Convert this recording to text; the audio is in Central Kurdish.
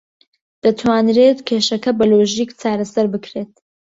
دەتوانرێت کێشەکە بە لۆژیک چارەسەر بکرێت.